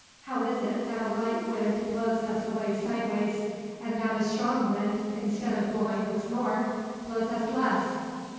How is it that a light wind blows us away sideways; and that a strong wind, instead of blowing us more, blows us less?"